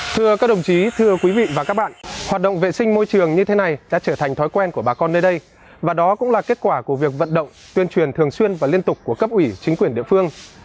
thưa các đồng chí thưa quý vị và các bạn hoạt động vệ sinh môi trường như thế này đã trở thành thói quen của bà con nơi đây và đó cũng là kết quả của việc vận động tuyên truyền thường xuyên và liên tục của cấp ủy chính quyền địa phương